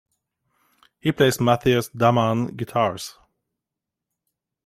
He plays Matthias Dammann guitars.